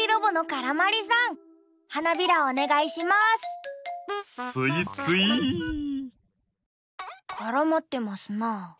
からまってますな。